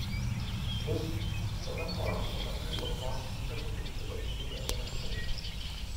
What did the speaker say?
This southern part of the country was not sympathetic to the independence movement.